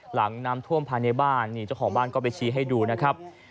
หลังน้ำท่วมภายในบ้านนี่เจ้าของบ้านก็ไปชี้ให้ดูนะครับ